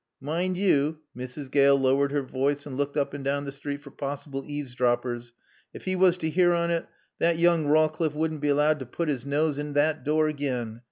Mind yo" Mrs. Gale lowered her voice and looked up and down the street for possible eavesdroppers "ef 'e was to 'ear on it, thot yoong Rawcliffe wouldn't be 'lowed t' putt 's nawse in at door agen.